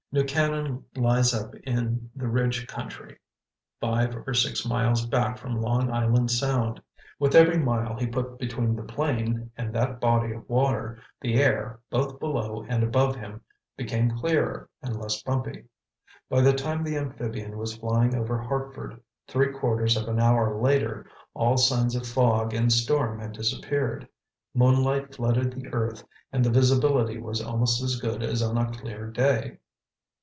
New Canaan lies up in the Ridge Country, five or six miles back from Long Island Sound. With every mile he put between the plane and that body of water, the air, both below and above him became clearer and less bumpy. By the time the amphibian was flying over Hartford, three quarters of an hour later, all signs of fog and storm had disappeared. Moonlight flooded the earth and the visibility was almost as good as on a clear day.